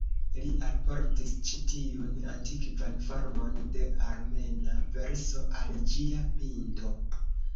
Li alportis ĉi tiun antikvan formon de armena verso al ĝia pinto.